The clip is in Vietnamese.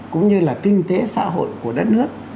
cũng như là kinh tế xã hội của đất nước